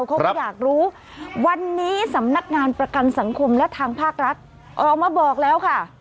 เขาก็อยากรู้วันนี้สำนักงานประกันสังคมและทางภาครัฐออกมาบอกแล้วค่ะ